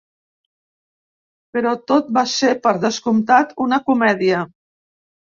Però tot va ser, per descomptat, una comèdia.